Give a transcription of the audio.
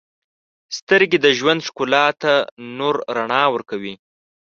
• سترګې د ژوند ښکلا ته نور رڼا ورکوي.